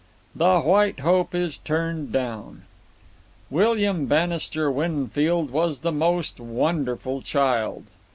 The White Hope is Turned Down William Bannister Winfield was the most wonderful child.